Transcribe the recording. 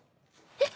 えっ？